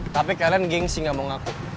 tapi kalian geng sih gak mau ngaku